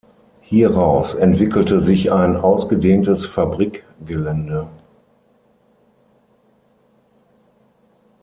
Hieraus entwickelte sich ein ausgedehntes Fabrikgelände.